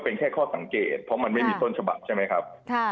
เป็นแค่ข้อสังเกตเพราะมันไม่มีต้นฉบับใช่ไหมครับ